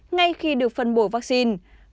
ngay khi được phân bổ vaccine